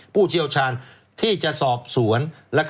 ผู้เชี่ยวชาญที่จะสอบสวน